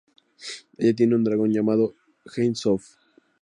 Ella tiene un Dragón llamado Ein Sof.